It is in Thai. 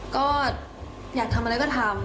ก็อยากทำอะไรก็ทำ